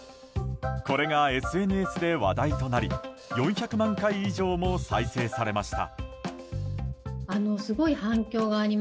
これがＳＮＳで話題となり４００万回以上も再生されました。